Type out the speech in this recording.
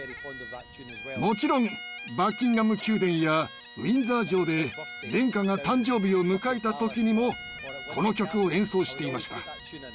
もろちんバッキンガム宮殿やウィンザー城で殿下が誕生日を迎えた時にもこの曲を演奏していました。